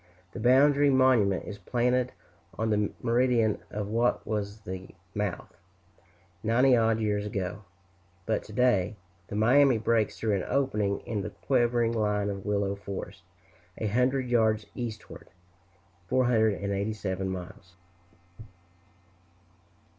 The boundary monument is planted on the meridian of what was the mouth, ninety odd years ago; but to day the Miami breaks through an opening in the quivering line of willow forest, a hundred yards eastward (487 miles).